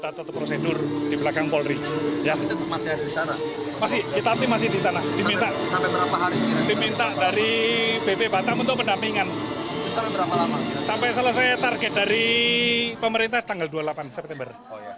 target dari pemerintah tanggal dua puluh delapan september